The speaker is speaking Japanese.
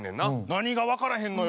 何が分からへんのよ。